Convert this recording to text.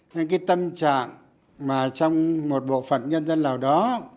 hay cái tâm trạng mà trong một bộ phận nhân dân nào đó